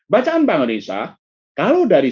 bacaan bank indonesia kalau dari